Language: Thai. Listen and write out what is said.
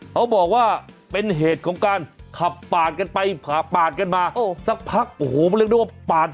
เขาบอกว่าเป็นเหตุของการขับปาดกันไปปาดกันมาสักพักโอ้โหมันเรียกได้ว่าปาด